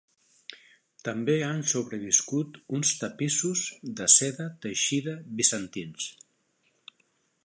També han sobreviscut uns tapissos de seda teixida bizantins.